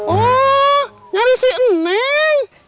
oh nyari si eneng